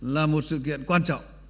là một sự kiện quan trọng